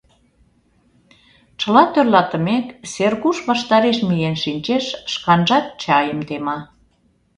Чыла тӧрлатымек, Сергуш ваштареш миен шинчеш, шканжат чайым тема.